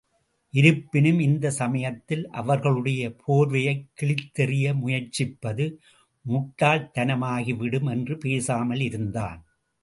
இருப்பினும், இந்தச் சமயத்தில் அவர்களுடைய போர்வையைக் கிழித்தெறிய முயற்சிப்பது முட்டாள் தனமாகிவிடும் என்று பேசாமல், இருந்தான்.